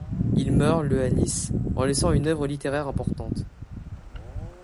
Il meurt le à Nice, en laissant une œuvre littéraire importante.